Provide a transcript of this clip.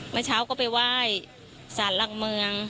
เมื่อเช้าก็ไปไหว้สารหลักเมือง